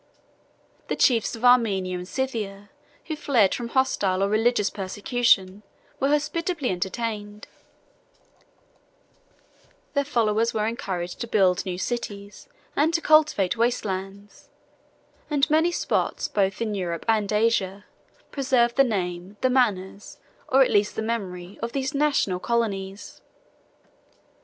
The chiefs of Armenia and Scythia, who fled from hostile or religious persecution, were hospitably entertained: their followers were encouraged to build new cities and to cultivate waste lands; and many spots, both in Europe and Asia, preserved the name, the manners, or at least the memory, of these national colonies.